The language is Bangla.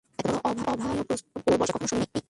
এতবড়ো অভাবনীয় প্রস্তাব ওর বয়সে কখনো শোনে নি।